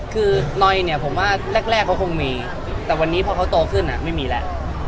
คือนอยเนี่ยผมว่าแรกเขาคงมีแต่วันนี้พอเขาโตขึ้นไม่มีแล้ว